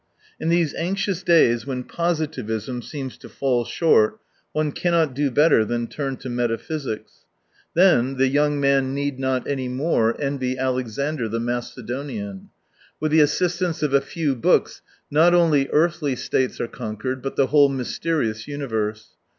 In these anxious days, when positivism seems to fall short, one cannot do better than turn to metaphysics. Then the young man need 146 not any more envy Alexander the Mace donian. With the assistance of a few books not only earthly states are conquered, but the whole mysterious universe.